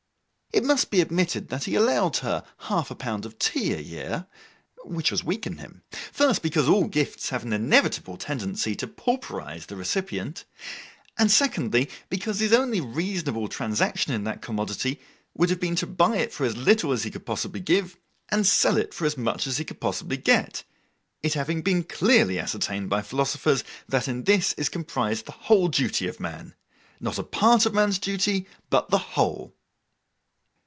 It must be admitted that he allowed her half a pound of tea a year, which was weak in him: first, because all gifts have an inevitable tendency to pauperise the recipient, and secondly, because his only reasonable transaction in that commodity would have been to buy it for as little as he could possibly give, and sell it for as much as he could possibly get; it having been clearly ascertained by philosophers that in this is comprised the whole duty of man—not a part of man's duty, but the whole.